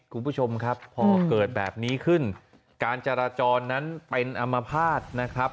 คุณผู้ชมครับพอเกิดแบบนี้ขึ้นการจราจรนั้นเป็นอมภาษณ์นะครับ